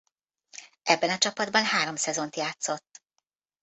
Ebben a csapatban három szezont játszott.